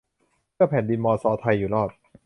เพื่อแผ่นดินมอซอไทยอยู่รอด